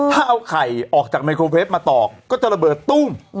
ถ้าเอาไข่ออกจากไมโครเวฟมาตอกก็จะระเบิดตุ้ม